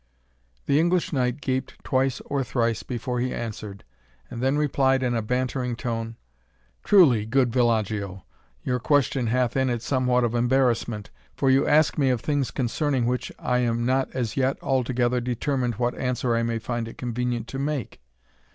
The English knight gaped twice or thrice before he answered, and then replied in a bantering tone, "Truly, good villagio, your question hath in it somewhat of embarrassment, for you ask me of things concerning which I am not as yet altogether determined what answer I may find it convenient to make.